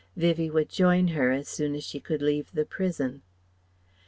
Vivie would join her as soon as she could leave the prison.